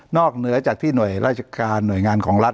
เหนือจากที่หน่วยราชการหน่วยงานของรัฐ